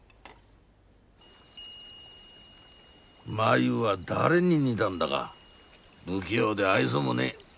真夢は誰に似たんだか不器用で愛想もねえ。